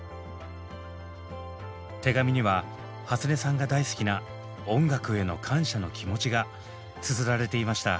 手紙にははつねさんが大好きな「音楽」への感謝の気持ちがつづられていました。